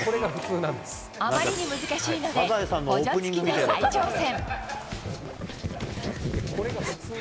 あまりに難しいので、補助付きで再挑戦。